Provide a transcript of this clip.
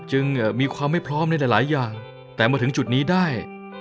จึงมีความไม่พร้อมในหลายอย่างแต่มาถึงจุดนี้ได้